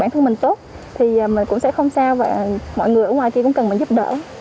bản thân mình tốt thì mình cũng sẽ không sao và mọi người ở ngoài kia cũng cần phải giúp đỡ